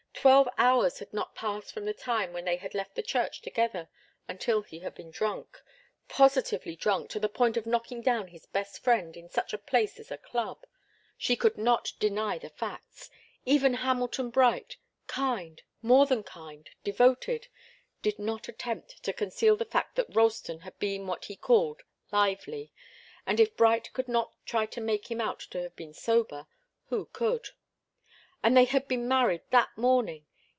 Twelve hours had not passed from the time when they had left the church together until he had been drunk positively drunk, to the point of knocking down his best friend in such a place as a club. She could not deny the facts. Even Hamilton Bright, kind more than kind, devoted did not attempt to conceal the fact that Ralston had been what he called 'lively.' And if Bright could not try to make him out to have been sober, who could? And they had been married that morning!